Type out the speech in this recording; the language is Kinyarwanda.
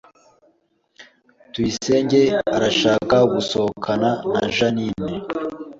Tuyisenge arashaka gusohokana na Jeaninne